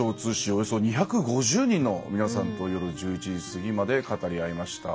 およそ２５０人の皆さんと夜１１時過ぎまで語り合いました。